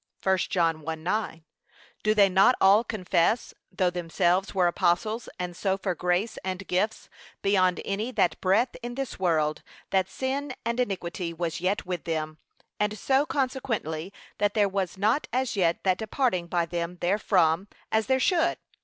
(1 John 1:9) Do they not all confess, though themselves were apostles, and so for grace and gifts beyond any that breathe in this world, that sin and iniquity was yet with them; and so consequently, that there was not as yet that departing by them therefrom, as there should.